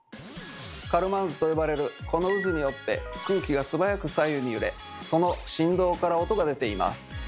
「カルマン渦」と呼ばれるこの渦によって空気が素早く左右に揺れその振動から音が出ています。